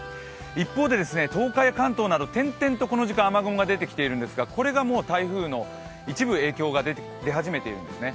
一方で東海、関東など、点々と今、雨雲が出てきているんですけどこれがもう台風の一部、影響が出始めているんですね。